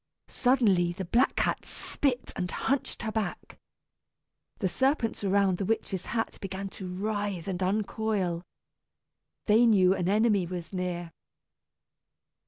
Suddenly the black cat spit and hunched her back. The serpents around the witch's hat began to writhe and uncoil. They knew an enemy was near.